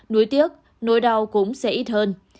núi tiếc nỗi đau cũng sẽ ít hơn